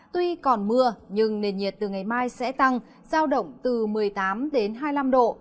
tuy còn mưa nhưng nền nhiệt từ ngày mai sẽ tăng giao động từ một mươi tám đến hai mươi năm độ